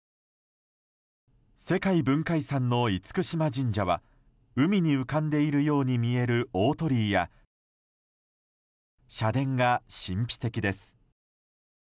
世界文化遺産の厳島神社は海に浮かんでいるように見える大鳥居や社殿が神秘的です。